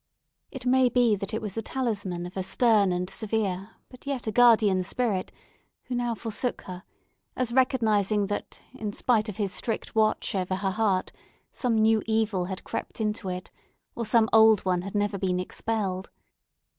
It may be that it was the talisman of a stern and severe, but yet a guardian spirit, who now forsook her; as recognising that, in spite of his strict watch over her heart, some new evil had crept into it, or some old one had never been expelled.